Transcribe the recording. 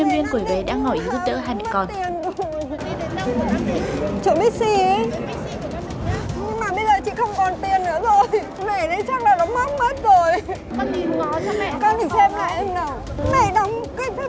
người đàn ông ngồi bên cạnh cũng không ngần ngại cho tiền hàng nghìn con